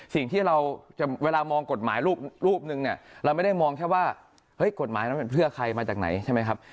สิ่งที่เราจะเวลามองกฎหมายรูปหนึ่งเนี่ยเราไม่ได้มองแค่ว่าเฮ้ยกฎหมายนั้นเป็นเพื่อใครมาจากไหนใช่ไหมครับ